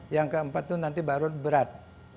yang keempat itu nanti baru berat